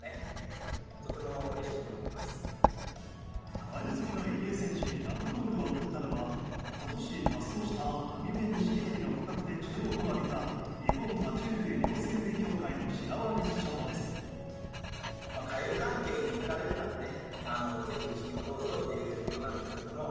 カエル好きの入江選手にラブコールを送ったのは今年、脱走したアミメニシキヘビの捕獲で注目を浴びた日本爬虫類両生類協会の白輪理事長です。